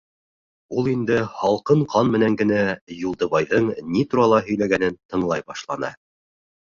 Ул инде һалҡын ҡан менән генә Юлдыбайҙың ни турала һөйләгәнен тыңлай башланы.